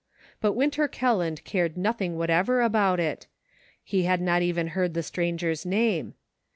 But Winter Kelland cared nothing whatever about it ; he had not even heard the stranger's name.